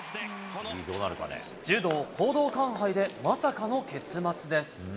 柔道講道館杯でまさかの結末です。